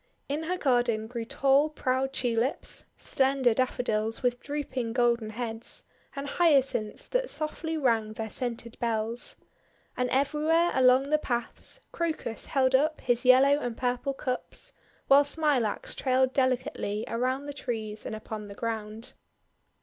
In her garden grew tall proud Tulips, slen der Daffodils with drooping golden heads, and Hyacinths that softly rang their scented bells. And everywhere along the paths, Crocus held up his yellow and purple cups; while Smilax trailed delicately around the trees and upon the ground.